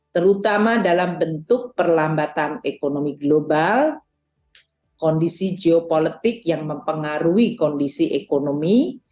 terutama dalam bentuk perlambatan ekonomi global kondisi geopolitik yang mempengaruhi kondisi ekonomi